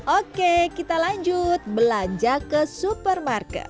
oke kita lanjut belanja ke supermarket